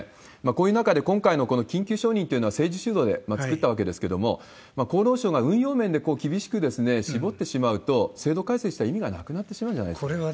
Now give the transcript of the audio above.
こういう中で、今回のこの緊急承認というのは政治主導で作ったわけですけれども、厚労省が運用面で厳しく絞ってしまうと、制度改正した意味がなくなってしまうんじゃないですか？